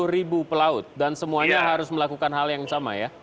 tujuh ratus lima puluh ribu pelaut dan semuanya harus melakukan hal yang sama ya